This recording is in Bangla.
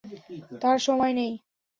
তার সময় নেই।